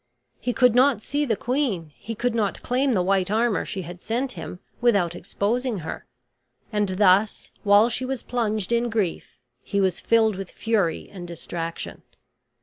He could not see the queen; he could not claim the white armor she had sent him without exposing her; and thus, while she was plunged in grief, he was filled with fury and distraction.